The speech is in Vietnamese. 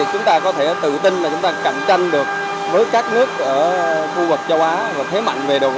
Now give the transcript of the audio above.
chúng ta có thể tự tin là chúng ta cạnh tranh được với các nước ở khu vực châu á